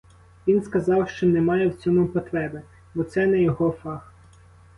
Він сказав, що не має в цьому потреби, бо це не його фах.